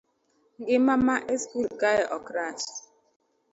ngima ma e skul kae ok rach